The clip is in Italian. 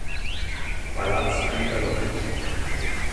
Palazzo dei Canonici